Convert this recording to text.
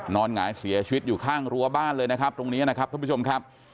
หงายเสียชีวิตอยู่ข้างรั้วบ้านเลยนะครับตรงนี้นะครับท่านผู้ชมครับ